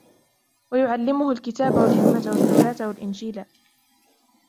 ويعلمه الكتاب والحكمة والتوراة والإنجيل